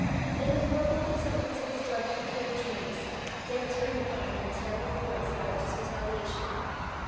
In the horrible presentments of his drug procured dreams they returned upon him in terrible forms of righteous retaliation.